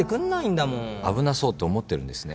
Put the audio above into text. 危なそうって思ってるんですね。